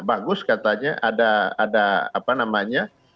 bagus katanya ada apa namanya